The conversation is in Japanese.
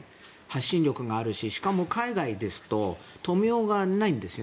発信力があるししかも海外ですと止めようがないんです。